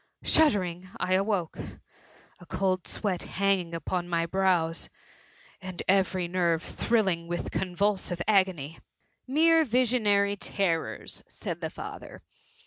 — Shuddering I awoke — a cold sweat hanging upon my brows, and every nerve thrilling with convulsive agony. ^^ Mere visionary terrors," said the father.